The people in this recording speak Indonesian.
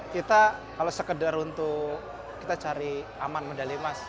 kita kalau sekedar untuk kita cari aman medali emas